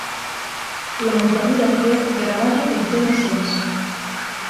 La botadura fue grabada por Thomas Edison.